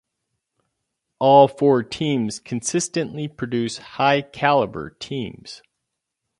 All four teams consistently produce high-caliber teams.